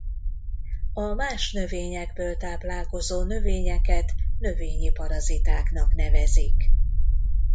A más növényekből táplálkozó növényeket növényi parazitáknak nevezik.